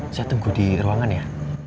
saya tunggu di ruangan ya